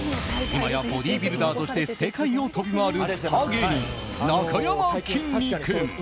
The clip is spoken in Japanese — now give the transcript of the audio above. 今やボディービルダーとして世界を飛び回るスター芸人なかやまきんに君。